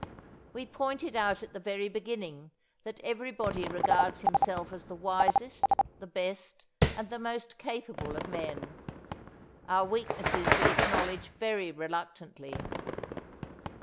We pointed out at the very beginning that everybody regards himself as the wisest, the best, and the most capable of men. Our weaknesses we acknowledge very reluctantly.